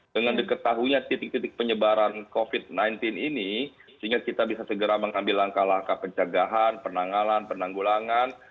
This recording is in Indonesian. dengan diketahuinya titik titik penyebaran covid sembilan belas ini sehingga kita bisa segera mengambil langkah langkah pencegahan penanganan penanggulangan